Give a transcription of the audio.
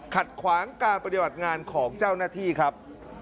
ขัดขวางการปฏิบัติงานของเจ้าหน้าที่ครับ